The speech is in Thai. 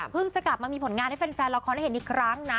จะกลับมามีผลงานให้แฟนละครได้เห็นอีกครั้งนะ